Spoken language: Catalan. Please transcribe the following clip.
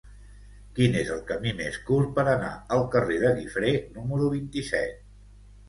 Quin és el camí més curt per anar al carrer de Guifré número vint-i-set?